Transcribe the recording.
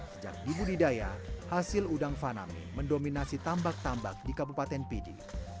sejak dibudidaya hasil udang faname mendominasi tambak tambak di kabupaten pidi